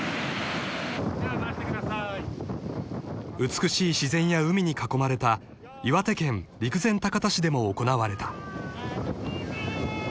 ［美しい自然や海に囲まれた岩手県陸前高田市でも行われた］